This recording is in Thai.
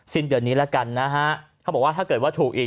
สิ้นเดือนนี้แล้วกันนะฮะเขาบอกว่าถ้าเกิดว่าถูกอีก